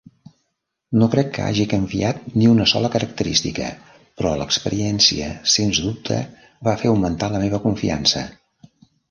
No crec que hagi canviat ni una sola característica, però l'experiència sens dubte va fer augmentar la meva confiança.